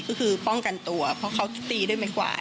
ก็คือป้องกันตัวเพราะเขาตีด้วยไม้กวาด